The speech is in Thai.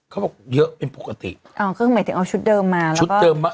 เขาบอกเยอะเป็นปกติอ่อก็ก็หมายถึงเอาชุดเดิมมาแล้วก็ชุดเติมมา